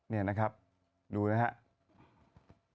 นี่นะครับดูนะครับ